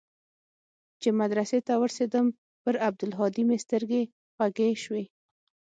چې مدرسې ته ورسېدم پر عبدالهادي مې سترګې خوږې سوې.